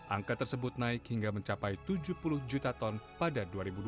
angka tersebut naik hingga mencapai tujuh puluh juta ton pada dua ribu dua puluh